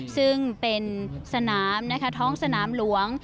ซึ่งเป็นสนามนะคะท้องสนามหลวง